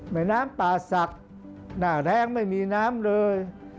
แม่น้ำป่าศักดิ์หน้าแรงไม่มีน้ำเลย